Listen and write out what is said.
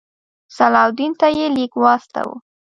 صلاح الدین ته یې لیک واستاوه.